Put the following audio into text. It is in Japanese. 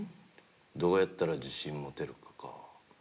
どうやったら自信持てるかか。